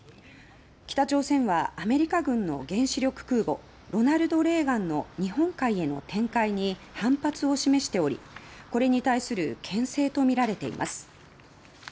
北朝鮮はアメリカ軍の原子力空母ロナルド・レーガンの日本海への展開に反発を示しておりこれに対するけん制とみられています。